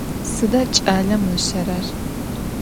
Sıda ç'alem ışerer?